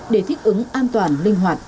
để thích ứng an toàn linh hoạt